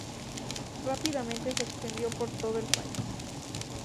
Rápidamente se extendió por todo el país.